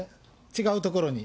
違うところに。